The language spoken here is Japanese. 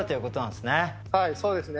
はいそうですね。